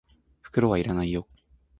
袋は要らないよ。